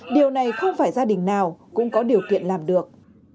điều này không phải gia đình nào cũng có điều kiện làm được